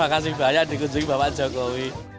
dan terima kasih banyak dikunjungi bapak jokowi